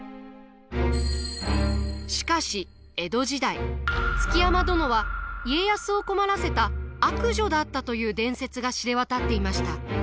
しかし江戸時代築山殿は家康を困らせた悪女だったという伝説が知れ渡っていました。